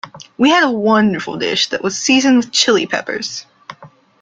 We had a wonderful dish that was seasoned with Chili Peppers.